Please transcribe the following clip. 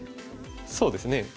そうですね。